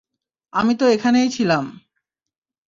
আমি তো এখানেই ছিলাম।